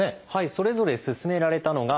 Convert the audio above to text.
それぞれ勧められたのがこちら。